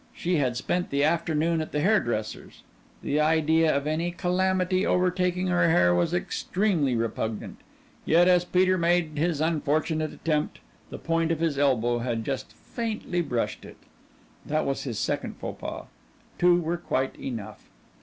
She had spent the afternoon at the hairdresser's; the idea of any calamity overtaking her hair was extremely repugnant yet as Peter made his unfortunate attempt the point of his elbow had just faintly brushed it. That was his second faux pas. Two were quite enough.